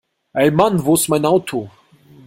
Ey Mann wo ist mein Auto?